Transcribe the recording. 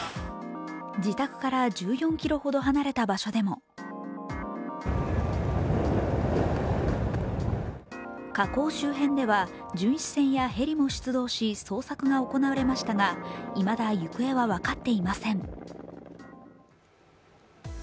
自宅から１４ｋｍほど離れた場所でも河口周辺では巡視船やヘリも出動し捜索が行われましたがいまだ行方は分かっていません。